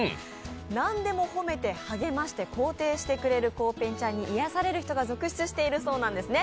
何でも褒めて励まして肯定してくれるコウペンちゃんに癒やされる人が続出しているそうなんですね。